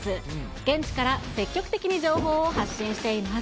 現地から積極的に情報を発信しています。